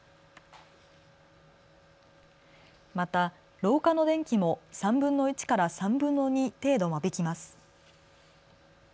また廊下の電気も３分の１から３分の２程度、間引きます。